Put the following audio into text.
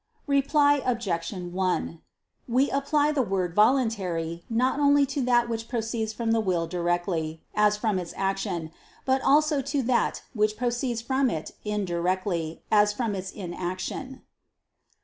Reply Obj. 1: We apply the word "voluntary" not only to that which proceeds from the will directly, as from its action; but also to that which proceeds from it indirectly as from its inaction.